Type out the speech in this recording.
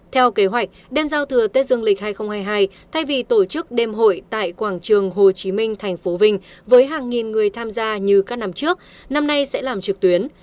theo kế hoạch đêm giao thừa tết dương lịch hai nghìn hai mươi hai thay vì tổ chức đêm hội tại quảng trường hồ chí minh thành phố vinh với hàng nghìn người tham gia như các năm trước năm nay sẽ làm trực tuyến